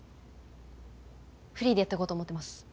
フリーでやってこうと思ってます。